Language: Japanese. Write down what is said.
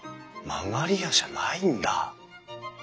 曲り家じゃないんだ。